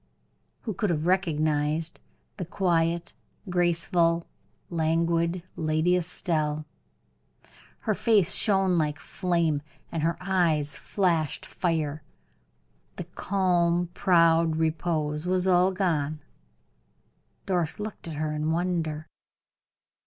Who could have recognized the quiet, graceful, languid Lady Estelle? Her face shone like flame, and her eyes flashed fire the calm, proud repose was all gone. Doris looked at her in wonder.